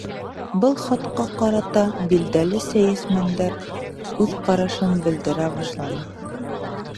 Был хатҡа ҡарата билдәле сәйәсмәндәр үҙ ҡарашын белдерә башланы.